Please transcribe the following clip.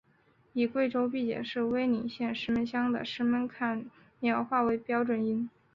以贵州毕节市威宁县石门乡的石门坎苗话为标准音。